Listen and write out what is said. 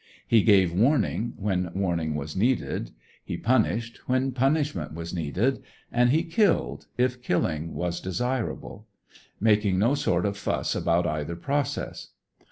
He gave warning, when warning was needed; he punished, when punishment was needed; and he killed, if killing was desirable; making no sort of fuss about either process.